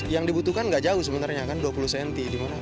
yang dibutuhkan nggak jauh sebenarnya kan dua puluh cm